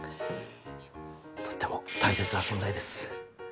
とっても大切な存在です。